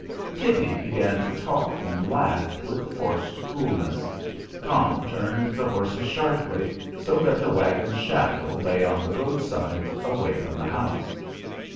Kitty began to talk and laugh with forced coolness. Tom turned the horses sharply, so that the wagon's shadow lay on the roadside, away from the house.